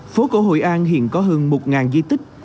phố cổ hội an hiện có hơn một di tích